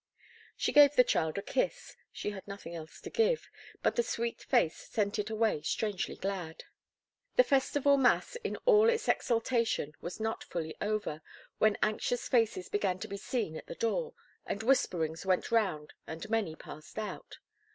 She gave the child a kiss—she had nothing else to give, but the sweet face sent it away strangely glad. The festival mass in all its exultation was not fully over, when anxious faces began to be seen at the door, and whisperings went round and many passed out.